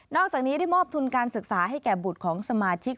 อกจากนี้ได้มอบทุนการศึกษาให้แก่บุตรของสมาชิก